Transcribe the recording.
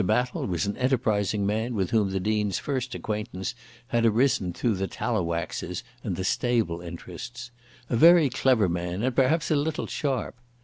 Battle was an enterprising man with whom the Dean's first acquaintance had arisen through the Tallowaxes and the stable interests, a very clever man, and perhaps a little sharp.